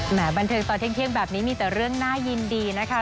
บันเทิงตอนเที่ยงแบบนี้มีแต่เรื่องน่ายินดีนะคะ